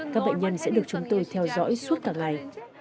các bệnh nhân sẽ được chúng tôi theo dõi suốt cả ngày